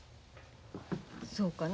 そうかな。